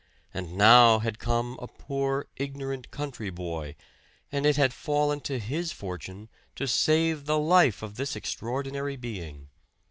And now had come a poor ignorant country boy, and it had fallen to his fortune to save the life of this extraordinary being.